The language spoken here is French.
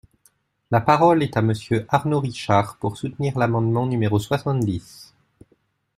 La parole est à Monsieur Arnaud Richard, pour soutenir l’amendement numéro soixante-dix.